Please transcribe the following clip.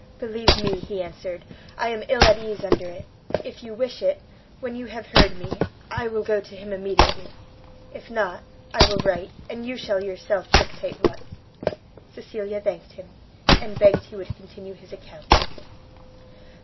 "Believe me," he answered, "I am ill at ease under it: if you wish it, when you have heard me, I will go to him immediately; if not, I will write, and you shall yourself dictate what." Cecilia thanked him, and begged he would continue his account.